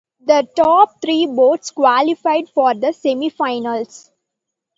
The top three boats qualified for the semifinals.